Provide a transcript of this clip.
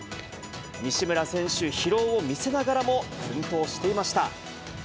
西村選手、疲労を見せながらも奮闘していました。